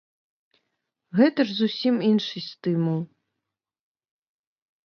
Гэта ж зусім іншы стымул.